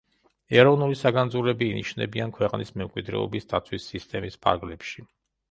ეროვნული საგანძურები ინიშნებიან ქვეყნის მემკვიდრეობის დაცვის სისტემის ფარგლებში.